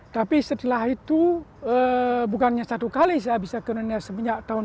tapi setelah itu bukannya satu kali saya bisa ke indonesia semenjak tahun seribu sembilan ratus sembilan puluh delapan